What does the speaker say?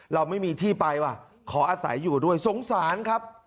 เราไม่มีที่ไปว่ะขออาศัยอยู่ด้วยสงสารครับ